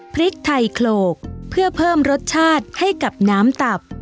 พริกไทยโขลกเพื่อเพิ่มรสชาติให้กับน้ำตับ